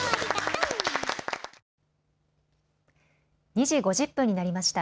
２時５０分になりました。